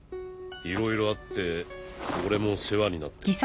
色々あって俺も世話になってる。